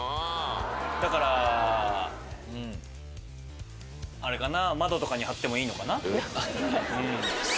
だからあれかな窓とかに貼ってもいいのかな。